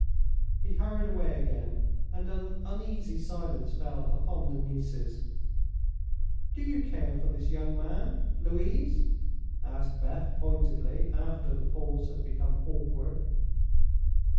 He hurried away again, and an uneasy silence fell upon the nieces. "Do you care for this young man. Louise?" asked Beth, pointedly, after the pause had become awkward.